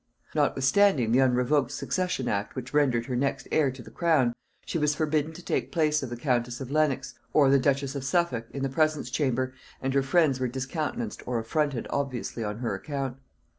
Notwithstanding the unrevoked succession act which rendered her next heir to the crown, she was forbidden to take place of the countess of Lenox, or the duchess of Suffolk, in the presence chamber, and her friends were discountenanced or affronted obviously on her account.